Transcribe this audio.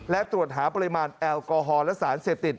และตรวจหาปริมาณแอลกอฮอลและสารเสพติด